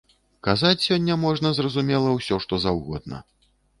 Казаць сёння можна, зразумела, усё што заўгодна.